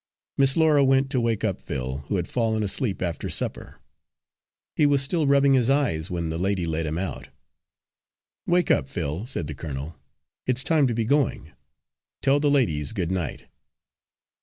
Miss Laura went to wake up Phil, who had fallen asleep after supper. He was still rubbing his eyes when the lady led him out. "Wake up, Phil," said the colonel. "It's time to be going. Tell the ladies good night."